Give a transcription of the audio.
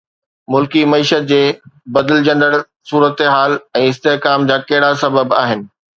ملڪي معيشت جي بدلجندڙ صورتحال ۽ استحڪام جا ڪهڙا سبب آهن؟